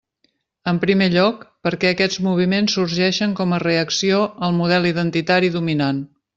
En primer lloc, perquè aquests moviments sorgeixen com a reacció al model identitari dominant.